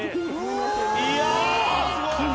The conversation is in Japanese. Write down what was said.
いやすごい。